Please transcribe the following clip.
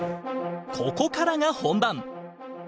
ここからが本番。